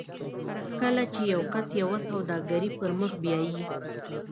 کله چې یو کس یوه سوداګري پر مخ بیایي